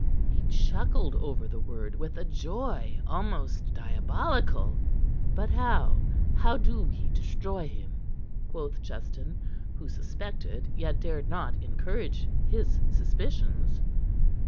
He chuckled over the word with a joy almost diabolical. "But how how do we destroy him?" quoth Justin, who suspected yet dared not encourage his suspicions.